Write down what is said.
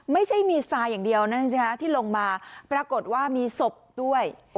ไม่ใช่มีทรายอย่างเดียวนั่นสิฮะที่ลงมาปรากฏว่ามีศพด้วย